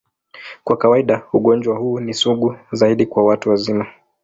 Kwa kawaida, ugonjwa huu ni sugu zaidi kwa watu wazima.